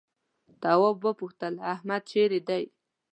تواب وپوښتل احمد چيرې دی؟